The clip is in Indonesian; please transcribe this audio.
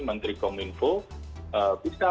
menteri komunfo bisa